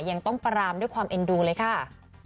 ยังต้องปรามด้วยความเอ็นดูเลยค่ะ